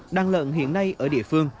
đăng lợn hiện nay ở địa phương